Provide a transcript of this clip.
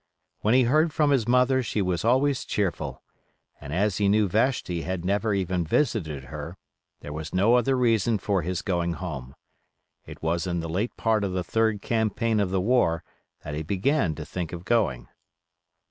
When he heard from his mother she was always cheerful; and as he knew Vashti had never even visited her, there was no other reason for his going home. It was in the late part of the third campaign of the war that he began to think of going.